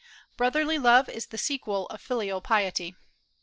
Brotherly love is the sequel of filial piety.